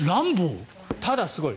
ただすごい。